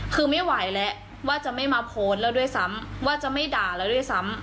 คือไม่ไหวแล้วว่าจะไม่มาโพสต์แล้วด้วยซ้ำว่าจะไม่ด่าแล้วด้วยซ้ำ